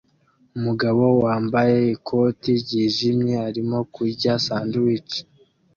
Umugabo wambaye ikoti ryijimye arimo kurya sandwich